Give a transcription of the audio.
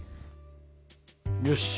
よし。